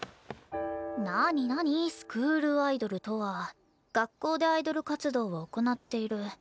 なになに「スクールアイドルとは学校でアイドル活動を行っている」